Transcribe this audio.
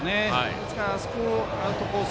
ですから、あそこをアウトコース